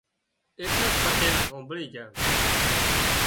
ايٽليڪ پٽيل هامڀۯي جھا